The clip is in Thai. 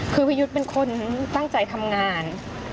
คือพี่ยุทธ์เป็นคนตั้งใจทำงาน